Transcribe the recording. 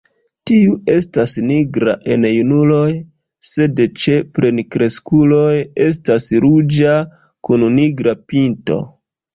Tiu estas nigra en junuloj, sed ĉe plenkreskuloj estas ruĝa kun nigra pinto.